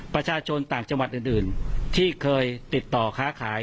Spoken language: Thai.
ประชาชนต่างจังหวัดอื่นที่เคยติดต่อค้าขาย